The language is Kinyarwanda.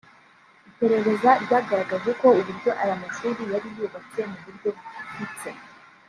Iperereza ryagaragaje ko uburyo aya mashuri yari yubatse mu buryo bufifitse